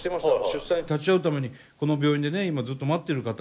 出産に立ち会うためにこの病院でね今ずっと待ってる方。